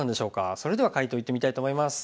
それでは解答いってみたいと思います。